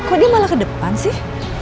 kok dia malah ke depan sih